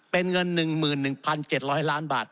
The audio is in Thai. เป็นเงิน๑๑๗๐๐ล้านบาท